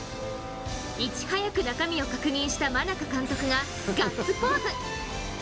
いち早く中身を確認した真中監督がガッツポーズ。